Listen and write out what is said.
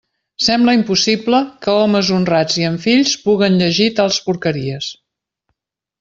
Sembla impossible que homes honrats i amb fills puguen llegir tals porqueries.